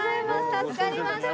助かりました。